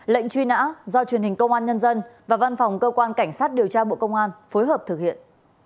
lệnh truy nã do truyền hình công an nhân dân và văn phòng cơ quan cảnh sát điều tra bộ công an phối hợp thực hiện